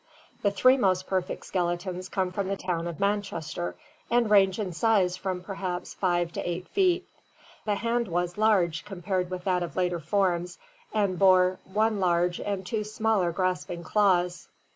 The three most perfect skeletons come from the town of Manchester and range in size from perhaps 5 to 8 feet. The hand was large compared with that of later forms and bore one large and two smaller grasping claws.